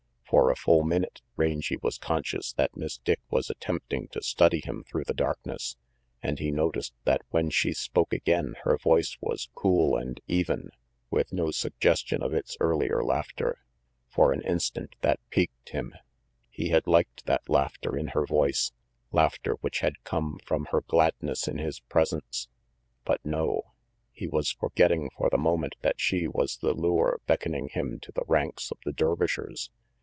For a full minute Rangy was conscious that Miss Dick was attempting to study him through the darkness, and he noticed that when she spoke again her voice was cool and RANGY PETE 285 even, with no suggestion of its earlier laughter. For an instant that piqued him. He had liked that laughter in her voice, laughter which had come from her gladness in his presence. But no. He was for getting for the moment that she was the lure beckon ing him to the ranks of the Dervishers.